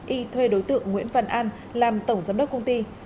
y thuê đối tượng nguyễn văn an làm tổng giám đốc công ty